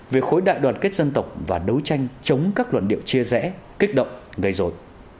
về khối đại đoàn kết dân tộc và đấu tranh chống các luận điệu chia rẽ kích động gây dối